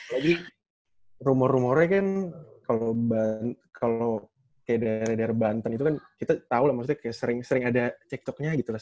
lagi rumor rumornya kan kalau kayak dari banten itu kan kita tahu lah maksudnya kayak sering sering ada cik toknya gitu lah